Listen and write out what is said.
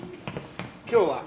今日は？